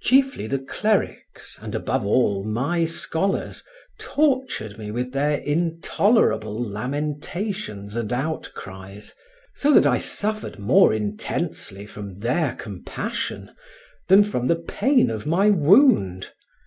Chiefly the clerics, and above all my scholars, tortured me with their intolerable lamentations and outcries, so that I suffered more intensely from their compassion than from the pain of my wound.